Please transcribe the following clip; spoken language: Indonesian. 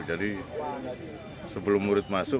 jadi sebelum murid masuk